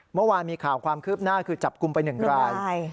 เมื่อวานมีข่าวความคืบหน้าคือจับกลุ่มไป๑ราย